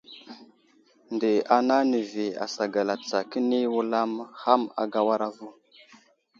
Nde ana nəvi asagala tsa kəni wulam ham agawara vo.